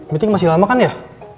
meeting masih lama kan ya